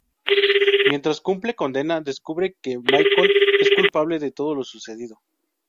Mientras cumple condena, descubre que Michael es culpable de todo lo sucedido.